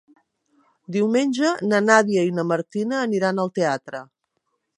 Diumenge na Nàdia i na Martina aniran al teatre.